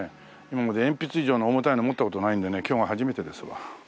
今まで鉛筆以上の重たいの持った事ないんでね今日が初めてですわ。